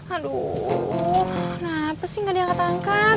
aduh kenapa sih gak ada yang ketangkap